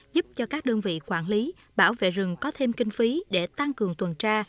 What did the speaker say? giúp cho các đơn vị quản lý bảo vệ rừng có thêm kinh phí để tăng cường tuần tra